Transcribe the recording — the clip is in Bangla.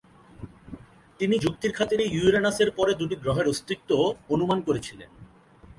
তিনি যুক্তির খাতিরে ইউরেনাসের পরে দু’টি গ্রহের অস্তিত্ব অনুমান করেছিলেন।